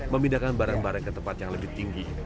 memindahkan barang barang ke tempat yang lebih tinggi